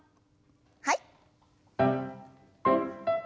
はい。